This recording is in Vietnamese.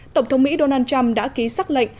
tổng thống mỹ donald trump đã ký xác lệnh